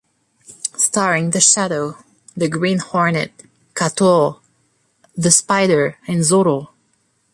Starring The Shadow, The Green Hornet, Kato, The Spider and Zorro.